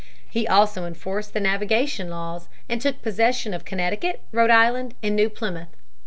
He also enforced the navigation laws and took possession of Connecticut, Rhode Island, and New Plymouth.